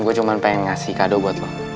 gue cuma pengen ngasih kado buat lo